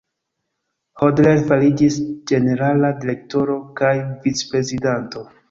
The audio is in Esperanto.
Hodler fariĝis Ĝenerala Direktoro kaj Vicprezidanto.